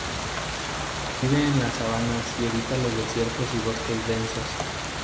Vive en las sabanas y evita los desiertos y bosques densos.